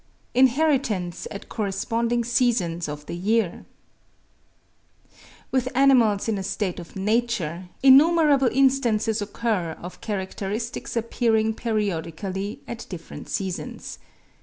INHERITANCE AT CORRESPONDING SEASONS OF THE YEAR. With animals in a state of nature, innumerable instances occur of characters appearing periodically at different seasons.